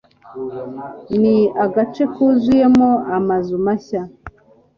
Ni agace kuzuyemo amazu mashya.